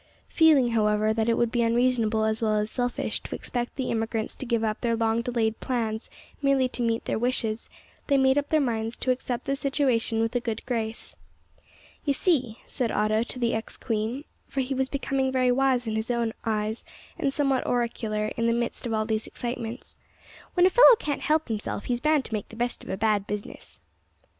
Feeling, however, that it would be unreasonable as well as selfish to expect the emigrants to give up their long delayed plans merely to meet their wishes, they made up their minds to accept the situation with a good grace. "You see," said Otto to the ex queen for he was becoming very wise in his own eyes, and somewhat oracular in the midst of all these excitements "when a fellow can't help himself he's bound to make the best of a bad business."